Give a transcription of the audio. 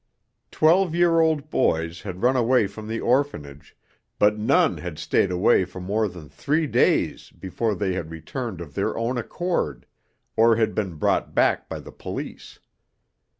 Twelve year old boys had run away from the orphanage, but none had stayed away for more than three days before they had returned of their own accord or had been brought back by the police.